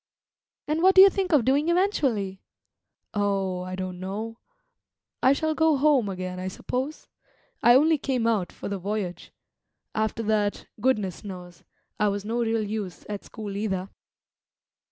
"And what do you think of doing eventually?" "Oh, I don't know. I shall go home again, I suppose; I only came out for the voyage. After that, goodness knows; I was no real use at school either."